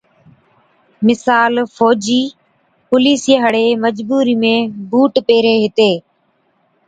مثال فوجِي، پوليسي هاڙي مجبُورِي ۾ بُوٽ پيهري هِتي۔